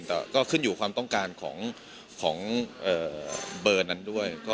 แต่ก็ขึ้นอยู่ความต้องการของเบอร์นั้นด้วย